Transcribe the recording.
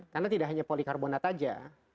karena tidak hanya polikarbonat saja